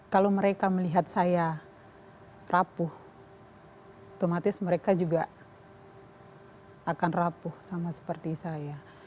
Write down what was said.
kalau mereka melihat saya rapuh otomatis mereka juga akan rapuh sama seperti saya